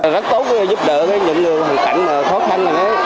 rất tốt giúp đỡ những lượng hình cảnh khó khăn